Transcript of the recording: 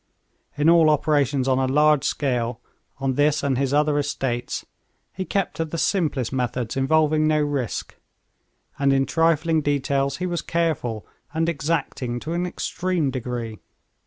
In all operations on a large scale on this and his other estates, he kept to the simplest methods involving no risk, and in trifling details he was careful and exacting to an extreme degree.